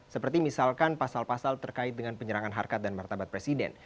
seperti misalkan pasal pasal terkait dengan penyerangan harkat dan martabat presiden